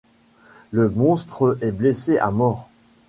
Le monstre est blessé à mort.